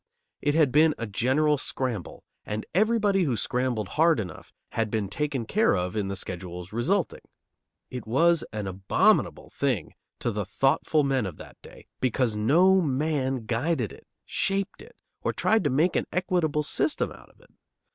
It had been a general scramble and everybody who scrambled hard enough had been taken care of in the schedules resulting. It was an abominable thing to the thoughtful men of that day, because no man guided it, shaped it, or tried to make an equitable system out of it.